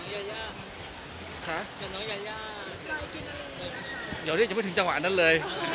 อย่างน้องยาย่าอย่างน้องยาย่ายังไม่ถึงจังหวะนั้นเลย